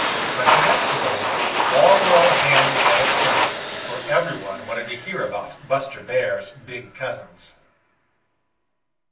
But the next morning all were on hand again at sun up, for every one wanted to hear about Buster Bear's big cousins.